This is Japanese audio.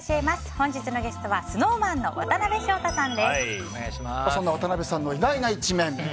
本日のゲストはＳｎｏｗＭａｎのそんな渡辺さんの意外な一面。